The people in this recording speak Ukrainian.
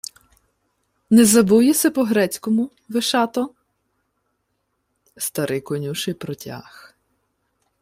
— Не забув єси по-грецькому, Вишато? Старий конюший протяг: